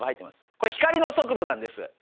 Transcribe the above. これ光の速度なんです。